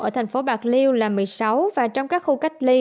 ở thành phố bạc liêu là một mươi sáu và trong các khu cách ly